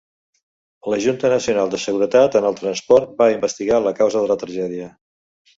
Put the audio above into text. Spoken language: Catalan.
La Junta Nacional de Seguretat en el Transport va investigar la causa de la tragèdia.